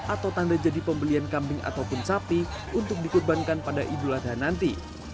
atau tanda jadi pembelian kambing ataupun sapi untuk dikurbankan pada idul adha nanti